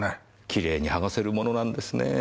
きれいにはがせるものなんですねぇ。